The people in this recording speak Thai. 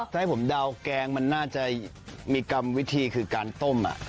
ถ้าให้ผมเดาแกงมันน่าจะมีกรรมวิธีคือการต้ม